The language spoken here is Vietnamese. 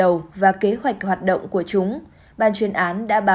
yêu cầu ban chuyên án đặt ra